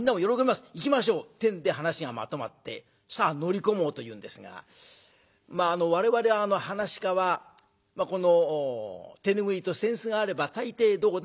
行きましょう」ってんで話がまとまってさあ乗り込もうというんですがまあ我々噺家はこの手拭いと扇子があれば大抵どこでも行くんです。